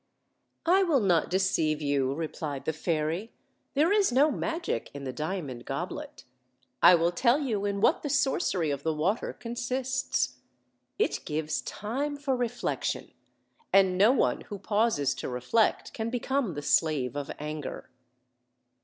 "I will not deceive you," replied the fairy; "there is no magic in the diamond goblet. I will tell you in what the sorcery of the water consists. It gives time for re flection; and no one who pauses to reflect can become the slave of anger."